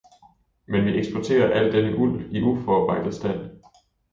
Men vi eksporterer al denne uld i uforarbejdet stand.